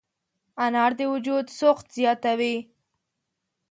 انار د وجود سوخت زیاتوي.